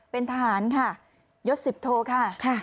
เป็นทหารค่ะยศ๑๐โทค่ะ